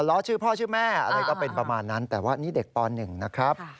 ล้อชื่อพ่อชื่อแม่อะไรก็เป็นประมาณนั้นแต่ว่านี่เด็กป๑นะครับ